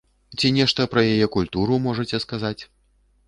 Ці нешта пра яе культуру можаце сказаць?